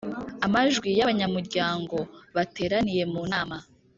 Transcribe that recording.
amajwi y abanyamuryango bateraniye mu nama